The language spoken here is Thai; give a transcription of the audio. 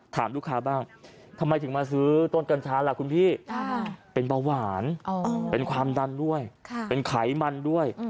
ถามลูกค้าบ้างทำไมถึงมาซื้อต้นกัญชาล่ะคุณพี่เป็นเบาหวานเป็นความดันด้วยเป็นไขมันด้วย